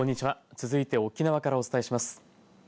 続いて沖縄からお伝えします。